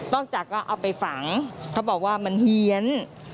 จากก็เอาไปฝังเขาบอกว่ามันเฮียน